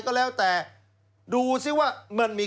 เพราะฉะนั้นคุณมิ้นท์พูดเนี่ยตรงเป้งเลย